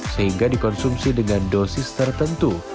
sehingga dikonsumsi dengan dosis tertentu